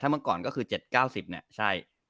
เมื่อก่อนก็คือ๗๙๐เนี่ยใช่